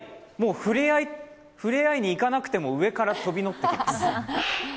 はい、もう触れ合いに行かなくても上から飛び乗ってきます。